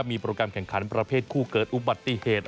มีโปรแกรมแข่งขันประเภทคู่เกิดอุบัติเหตุ